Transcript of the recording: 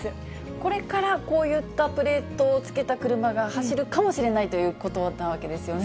これからこういったプレートをつけた車が走るかもしれないということなわけですよね。